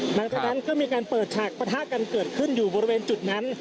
หลังจากนั้นก็มีการเปิดฉากปะทะกันเกิดขึ้นอยู่บริเวณจุดนั้น